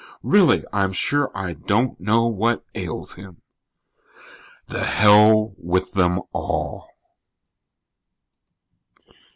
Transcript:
Really, I'm sure I don't know what ails him." The hell with them all.